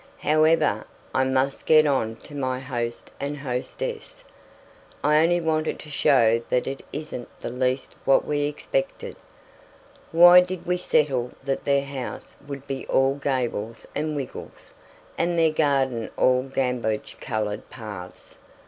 However, I must get on to my host and hostess. I only wanted to show that it isn't the least what we expected. Why did we settle that their house would be all gables and wiggles, and their garden all gamboge coloured paths?